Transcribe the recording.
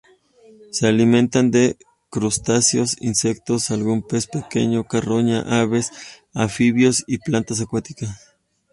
Se alimentan de crustáceos, insectos, algún pez pequeño, carroña, aves, anfibios y plantas acuáticas.